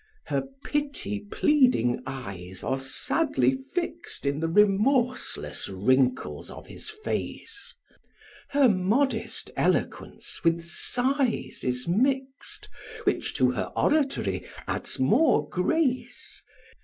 Her pity pleading eyes are sadly fixed In the remorseless wrinkles of his face; Her modest eloquence with sighs is mixed, Which to her oratory adds more grace.